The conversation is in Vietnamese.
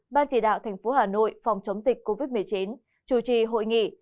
ban chỉ đạo tp hà nội phòng chống dịch covid một mươi chín chủ trì hội nghị